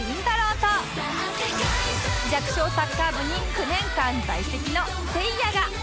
と弱小サッカー部に９年間在籍のせいやが